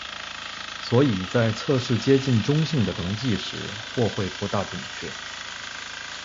所以在测试接近中性的溶剂时或会不大准确。